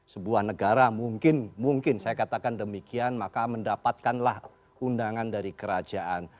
sebuah negara mungkin mungkin saya katakan demikian maka mendapatkanlah undangan dari kerajaan